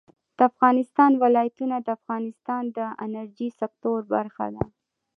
د افغانستان ولايتونه د افغانستان د انرژۍ سکتور برخه ده.